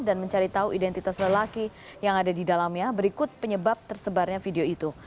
dan mencari tahu identitas lelaki yang ada di dalamnya berikut penyebab tersebarnya video itu